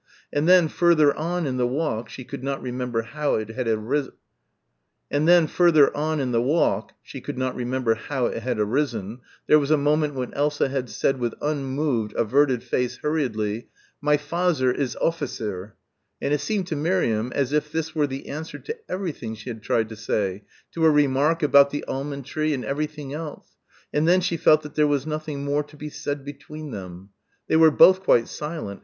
And then further on in the walk, she could not remember how it had arisen, there was a moment when Elsa had said with unmoved, averted face hurriedly, "My fazzer is offitser" and it seemed to Miriam as if this were the answer to everything she had tried to say, to her remark about the almond tree and everything else; and then she felt that there was nothing more to be said between them. They were both quite silent.